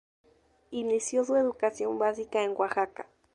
Inició su educación básica en Oaxaca.